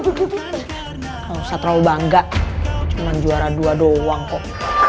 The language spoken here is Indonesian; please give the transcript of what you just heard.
gak usah terlalu bangga cuman juara dua doang kok